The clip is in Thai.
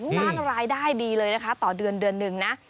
สร้างรายได้ดีเลยนะคะต่อเดือนเดือนหนึ่งนะ